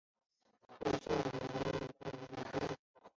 我做牛做马都会